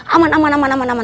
aman aman aman aman aman